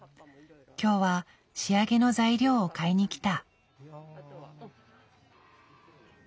今日は仕上げの材料を買いに来た。